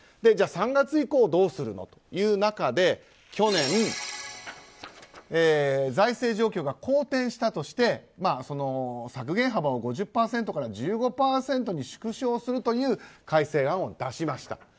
じゃあ３月以降はどうするのという中で去年、財政状況が好転したとして削減幅を５０％から１５％に縮小するという改正案を出しました。